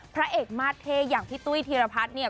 พระเอกมาสเทอยังพี่ตุ้ยทีระพาสเนี่ย